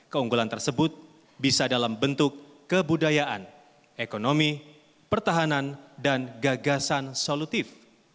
keunggulan tersebut bisa dalam bentuk kebudayaan ekonomi pertahanan dan gagasan solutif